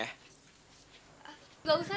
gak usah ten gak usah